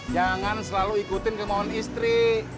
jangan selalu ikutin kemohon istri